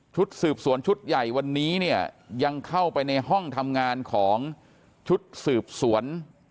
ชุดสืบสวนชุดใหญ่วันนี้เนี่ยยังเข้าไปในห้องทำงานของชุดสืบสวน